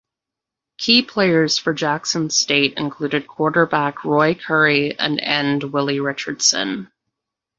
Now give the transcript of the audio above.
Key players for Jackson State included quarterback Roy Curry and end Willie Richardson.